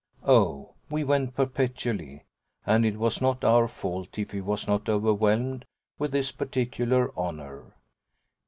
Oh we went perpetually, and it was not our fault if he was not overwhelmed with this particular honour.